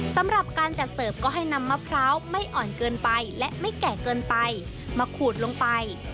สำหรับการจัดเสิร์ฟก็ให้นำมะพร้าวไม่อ่อนเกินไปและไม่แก่เกินไปมาขูดลงไป